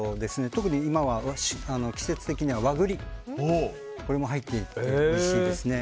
特に今は季節的には和栗も入っていておいしいですね。